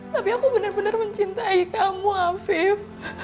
tapi aku bener bener mencintai kamu afif